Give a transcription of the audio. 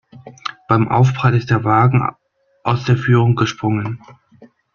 Beim Aufprall ist der Wagen aus der Führung gesprungen.